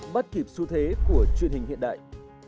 bắt kịp xu thế của truyền hình hiện đại